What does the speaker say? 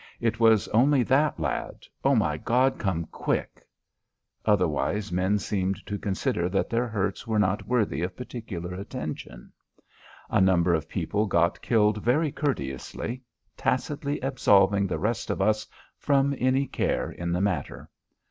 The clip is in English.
It was only that lad "Oh, my God, come quick." Otherwise, men seemed to consider that their hurts were not worthy of particular attention. A number of people got killed very courteously, tacitly absolving the rest of us from any care in the matter.